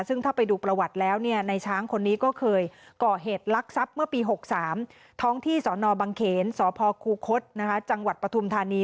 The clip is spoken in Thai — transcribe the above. ซึ่งถ้าไปดูประวัติแล้วในช้างคนนี้ก็เคยก่อเหตุลักษัพเมื่อปี๖๓ท้องที่สนบังเขนสพคูคศจังหวัดปฐุมธานี